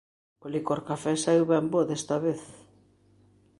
O licor café saíu ben bo desta vez